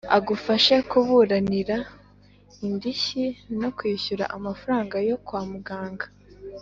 agufashe kuburanira indishyi no kwishyurwa amafaranga yo kwa muganga,